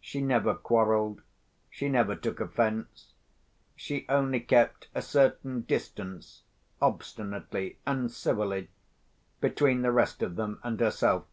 She never quarrelled, she never took offence; she only kept a certain distance, obstinately and civilly, between the rest of them and herself.